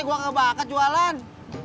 gue gak bakat jualan